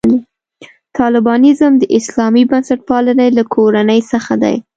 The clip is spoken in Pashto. طالبانیزم د اسلامي بنسټپالنې له کورنۍ څخه دی.